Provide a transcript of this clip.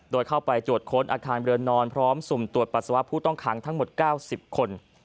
โดยเข้าไปตรวจค้นอาคารเรือนนอนพร้อมสุ่มตรวจปัสสาวะผู้ต้องขังทั้งหมด๙๐คน